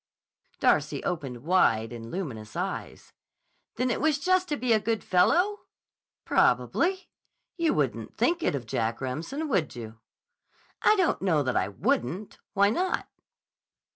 Darcy opened wide and luminous eyes. "Then it was just to be a good fellow?" "Probably. You wouldn't think it of Jack Remsen, would you?" "I don't know that I wouldn't. Why not?"